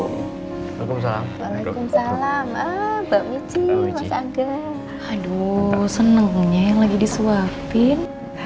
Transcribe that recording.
waalaikumsalam waalaikumsalam mbak michi mas angga aduh senengnya yang lagi disuapin